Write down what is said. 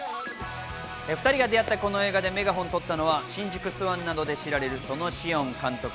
２人が出会ったこの映画でメガホンを取ったのは『新宿スワン』などで知られる園子温監督。